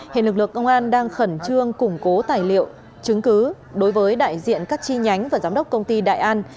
hệ lực lượng công an đang khẩn trương củng cố tài liệu chứng cứ đối với đại diện các chi nhánh và giám đốc công ty đại an